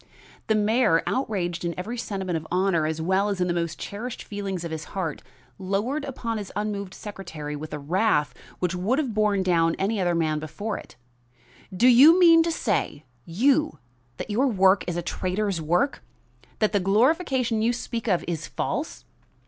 The mayor, outraged in every sentiment of honor as well as in the most cherished feelings of his heart, lowered upon his unmoved secretary with a wrath which would have borne down any other man before it. "Do you mean to say, you, that your work is a traitor's work? That the glorification you speak of is false?